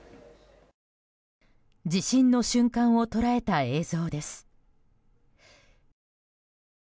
地震の瞬間を捉えた映像です。